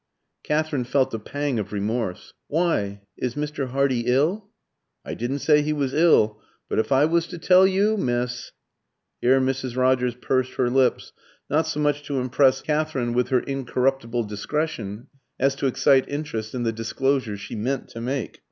Katherine felt a pang of remorse. "Why? Is Mr. Hardy ill?" "I didn't say he was ill. But if I was to tell you, miss " Here Mrs. Rogers pursed her lips, not so much to impress Katherine with her incorruptible discretion, as to excite interest in the disclosures she meant to make.